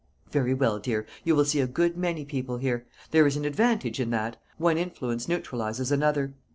"Very well, dear. You will see a good many people here; there is an advantage in that one influence neutralises another.